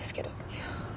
いや。